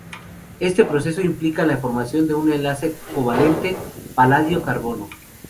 Este proceso implica la formación de un enlace covalente paladio-carbono.